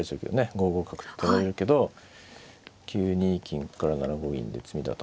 ５五角取られるけど９二金から７五銀で詰みだと。